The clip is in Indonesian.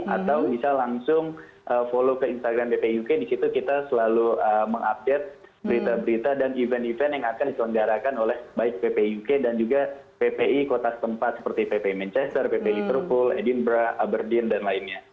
atau bisa langsung follow ke instagram bpik di situ kita selalu mengupdate berita berita dan event event yang akan diselenggarakan oleh baik ppi uk dan juga ppi kota setempat seperti ppi manchester ppi liverpool edinbra aberdin dan lainnya